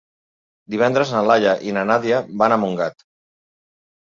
Divendres na Laia i na Nàdia van a Montgat.